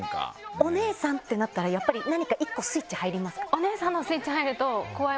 お姉さんってなったらやっぱり何か１個スイッチ入りますか？